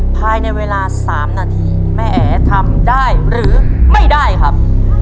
ภายในเวลา๓นาทีแม่แอ๋ทำได้หรือไม่ได้ครับ